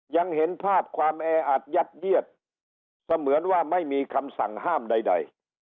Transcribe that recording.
ยังเห็นภาพความแออัดยัดเยียดเสมือนว่าไม่มีคำสั่งห้ามใด